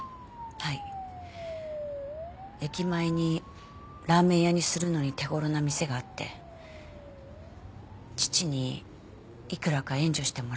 はい駅前にラーメン屋にするのに手頃な店があって父にいくらか援助してもらおうと。